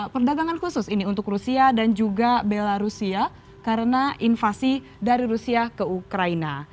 perdagangan khusus ini untuk rusia dan juga belarusia karena invasi dari rusia ke ukraina